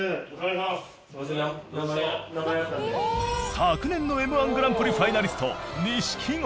昨年の『Ｍ−１グランプリ』ファイナリストアキラが